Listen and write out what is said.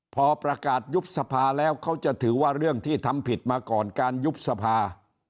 พอประกาศยุบสภาแล้วเขาจะถือว่าเรื่องที่ทำผิดมาก่อนการยุบสภา